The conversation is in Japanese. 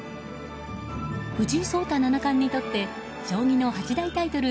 藤井聡太七冠にとって将棋の八大タイトル